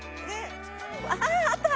あああった！